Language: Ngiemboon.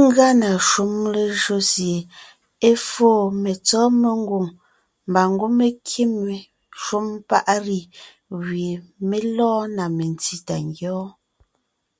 Ngʉa na shúm lejÿo sie é foo metsɔ́ mengwòŋ mbà ngwɔ́ mé kîm shúm paʼ “riz” gẅie ngwɔ́ mé lɔɔn na metsí tà ngyɔ́ɔn.